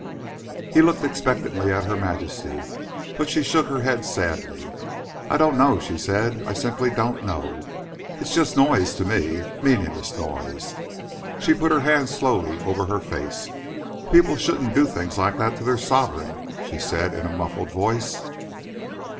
He looked expectantly at Her Majesty, but she shook her head sadly. "I don't know," she said. "I simply don't know. It's just noise to me, meaningless noise." She put her hands slowly over her face. "People shouldn't do things like that to their Sovereign," she said in a muffled voice.